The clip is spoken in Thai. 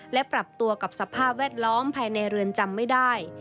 และปรับตัวกับสภาพแวดล้อมภายในเรือนจำไม่ได้